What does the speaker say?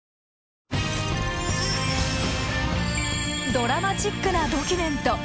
ドラマチックなドキュメント。